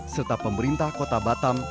serta pemerintah kota batam